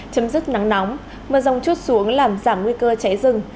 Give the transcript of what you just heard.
chấm dứt nắng nóng mưa rông chút xuống làm giảm nguy cơ cháy rừng